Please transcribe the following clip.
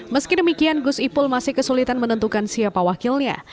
meski demikian gus ipul masih kesulitan menentukan siapa wakilnya